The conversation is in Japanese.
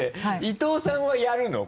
伊藤さんはやるの？